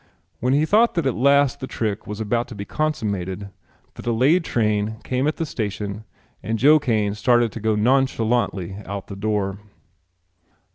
When he thought that at last the trick was about to be consummated the delayed train came in at the station and Joe Kane started to go nonchalantly out at the door.